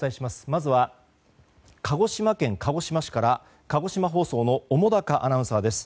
まずは鹿児島県鹿児島市から鹿児島放送の面高アナウンサーです。